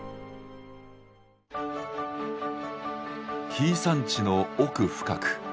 紀伊山地の奥深く。